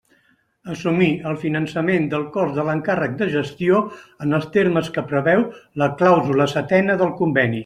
Assumir el finançament del cost de l'encàrrec de gestió en els termes que preveu la clàusula setena del Conveni.